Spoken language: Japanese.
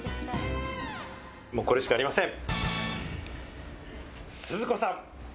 もう、これしかありません。